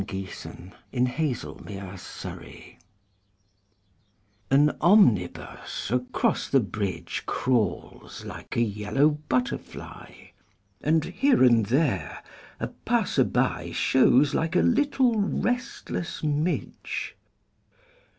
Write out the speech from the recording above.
SYMPHONY IN YELLOW AN omnibus across the bridge Crawls like a yellow butterfly And, here and there, a passer by Shows like a little restless midge.